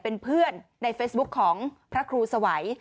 เป็นเพื่อนในเฟซบุ๊คของพระครูสวัย